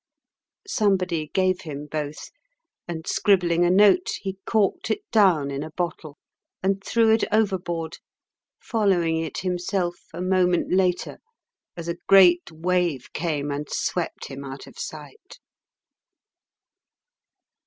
Somebody gave him both, and, scribbling a note, he corked it down in a bottle and threw it overboard, following it himself a moment later as a great wave came and swept him out of sight.